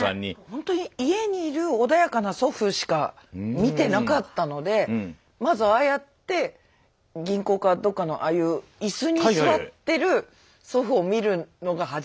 ほんとに家に居る穏やかな祖父しか見てなかったのでまずああやって銀行かどっかのああいう椅子に座ってる祖父を見るのが初めてです。